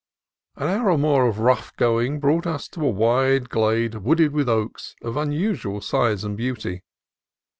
An hour more of rough going brought us to a wide glade wooded with oaks of unusual size and beauty.